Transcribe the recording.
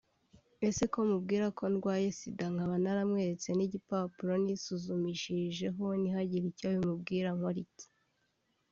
ese ko mubwira ko ndwaye Sida ndetse nkaba naramweretse n’igipapuro nisuzumshirijeho we ntihagire icyo bimubwira nkore iki